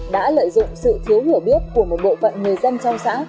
đã lợi dụng sự thiếu hiểu biết của một bộ phận người dân trong xã